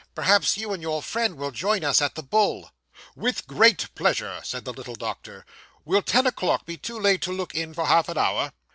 Perhaps you and your friend will join us at the Bull.' 'With great pleasure,' said the little doctor; 'will ten o'clock be too late to look in for half an hour?